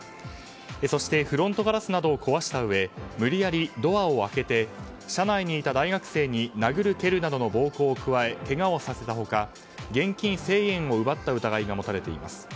そしてフロントガラスなどを壊したうえ無理やりドアを開けて車内にいた大学生に殴る蹴るなどの暴行を加え、けがをさせた他現金１０００円を奪った疑いが持たれています。